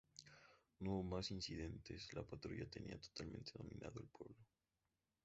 No hubo más incidentes la patrulla tenía totalmente dominado el pueblo.